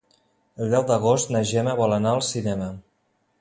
El deu d'agost na Gemma vol anar al cinema.